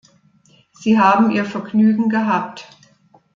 Sie haben ihr Vergnügen gehabt.